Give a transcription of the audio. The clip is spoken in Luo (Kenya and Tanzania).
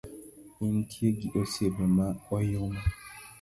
Intie gi osiepe ma oyuma